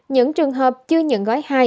những trường hợp chưa nhận gói hai